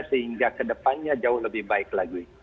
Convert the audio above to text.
sehingga ke depannya jauh lebih baik lagi